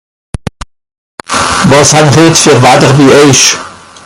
Wàs han'r hitt fer Watter bi èich ?